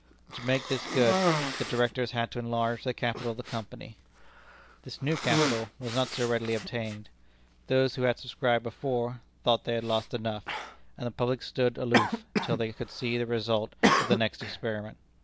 To make this good, the Directors had to enlarge the capital of the Company. This new capital was not so readily obtained. Those who had subscribed before, thought they had lost enough; and the public stood aloof till they could see the result of the next experiment.